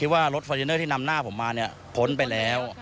ว่ารถฟอร์จูเนอร์ที่นำหน้าผมมาเนี่ยพ้นไปแล้ว